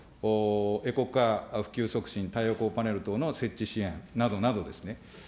エコカー普及促進、太陽光パネル等の設置支援などなどですね。